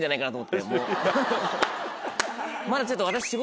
「まだちょっと」。